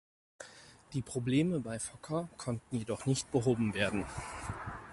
Die Probleme bei Fokker konnten jedoch nicht behoben werden.